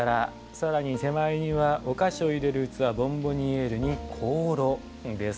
更に手前にはお菓子を入れる器ボンボニエールに香炉です。